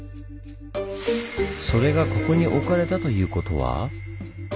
それがここに置かれたということは？